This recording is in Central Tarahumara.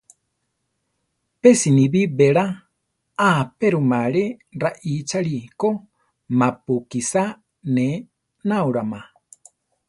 Pe sinibí belá a apéroma alé raʼíchali ko ma-pu kisá ne náulama.